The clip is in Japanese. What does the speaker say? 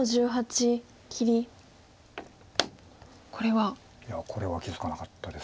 いやこれは気付かなかったです。